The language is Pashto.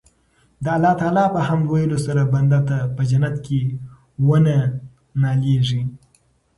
د الله تعالی په حمد ويلو سره بنده ته په جنت کي وَنه ناليږي